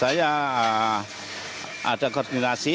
saya ada kondisi